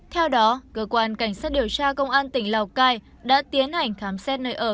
theo đó cơ quan cảnh sát điều tra công an tỉnh lào cai đã tiến hành khám xét nơi ở